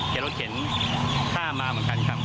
เห็นรถเข็นข้ามมาเหมือนกันครับ